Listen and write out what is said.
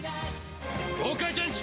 ゴーカイチェンジ！